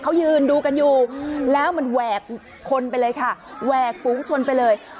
เขายืนดูกันอยู่แล้วมันแหวกคนไปเลยค่ะแหวกฝูงชนไปเลย